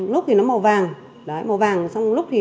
nốt thì nó màu vàng màu vàng xong lúc thì